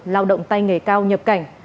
lao động tay nghề cao nhập cảnh